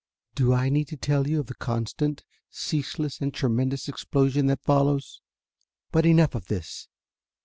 "Do I need to tell you of the constant, ceaseless and tremendous explosion that follows? "But enough of this!